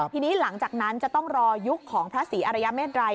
ทีนี้หลังจากนั้นจะต้องรอยุคของพระศรีอรยาเมตรัย